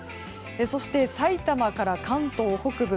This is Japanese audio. そして、埼玉から関東北部。